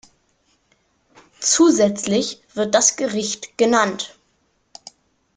Zusätzlich wird das Gericht genannt.